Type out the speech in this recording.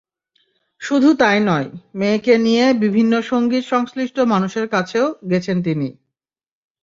শুধু তাই নয়, মেয়েকে নিয়ে বিভিন্ন সংগীত সংশ্লিষ্ট মানুষের কাছেও গেছেন তিনি।